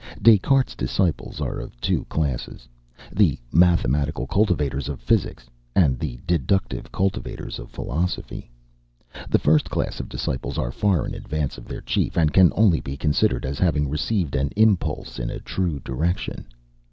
Des Cartes's disciples are of two classes, the "mathematical cultivators of physic," and the "deductive cultivators of philosophy." The first class of disciples are far in advance of their chief, and can only be considered as having received an impulse in a true direction.